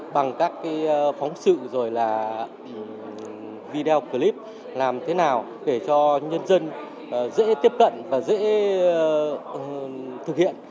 bằng các phóng sự rồi là video clip làm thế nào để cho nhân dân dễ tiếp cận và dễ thực hiện